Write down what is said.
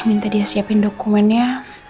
minta dia siapin dokumennya